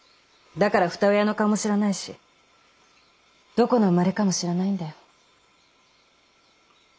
だから二親の顔も知らないしどこの生まれかも知らないんだよ。